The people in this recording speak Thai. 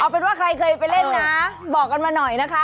เป็นว่าใครเคยไปเล่นนะบอกกันมาหน่อยนะคะ